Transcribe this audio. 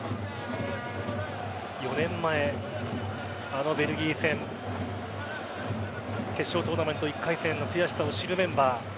４年前あのベルギー戦決勝トーナメント１回戦の悔しさを知るメンバー。